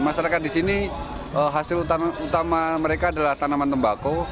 masyarakat di sini hasil utama mereka adalah tanaman tembakau